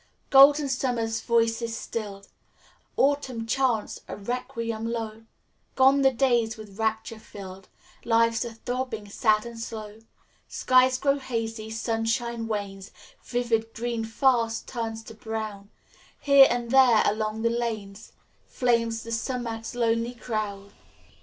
"Golden Summer's voice is stilled Autumn chants a requiem low. Gone the days with rapture filled. Life's a throbbing, sad and slow. Skies grow hazy; sunshine wanes, Vivid green fast turns to brown; Here and there along the lanes, Flames the sumac's lonely crown.